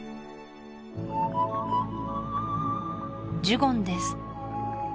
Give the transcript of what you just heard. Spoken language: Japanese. ジュゴンです